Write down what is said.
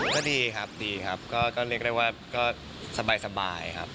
ก็ดีครับดีครับก็เรียกได้ว่าก็สบายครับ